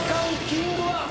キングは！？